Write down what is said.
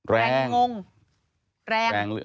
แรงแรง